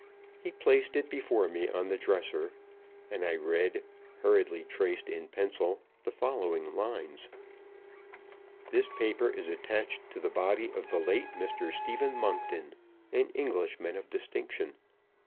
He placed it before me on the dresser, and I read, hurriedly traced in pencil, the following lines: "This paper is attached to the body of the late Mr. Stephen Monkton, an Englishman of distinction.